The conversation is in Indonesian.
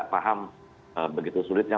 paham begitu sulitnya